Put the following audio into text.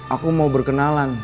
aku mau berkenalan